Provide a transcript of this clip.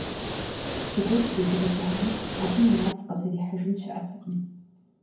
Зыгуэр хиубыдыкӀамэ, абы и нэфӀ къызэрихьыжын щыӀэтэкъым.